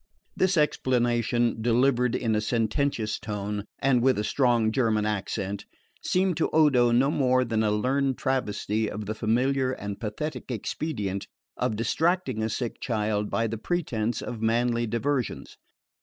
This explanation, delivered in a sententious tone, and with a strong German accent, seemed to Odo no more than a learned travesty of the familiar and pathetic expedient of distracting a sick child by the pretence of manly diversions.